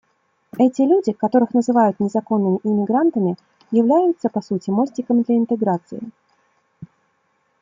Эти люди, которых называют незаконными иммигрантами, являются, по сути, мостиком для интеграции.